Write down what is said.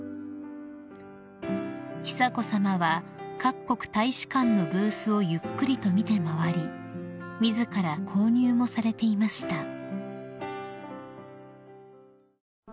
［久子さまは各国大使館のブースをゆっくりと見て回り自ら購入もされていました］